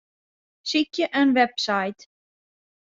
Sykje in website.